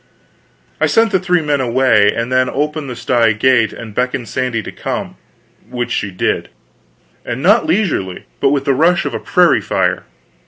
I sent the three men away, and then opened the sty gate and beckoned Sandy to come which she did; and not leisurely, but with the rush of a prairie fire.